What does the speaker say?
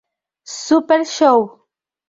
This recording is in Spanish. Super Show!